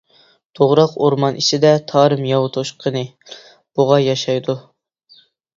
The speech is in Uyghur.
توغراق ئورمان ئىچىدە تارىم ياۋا توشقىنى، بۇغا ياشايدۇ.